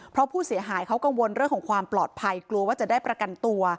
เพราะผู้เสียหายเขากังวลเรื่องของความปลอดภัยกลัวว่าจะได้ประกันตัว